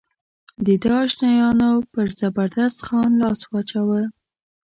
د ده اشنایانو پر زبردست خان لاس واچاوه.